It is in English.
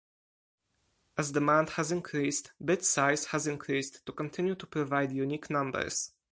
As demand has increased, bit size has increased to continue to provide unique numbers.